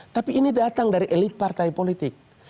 tapi ini datang dari elit partai politik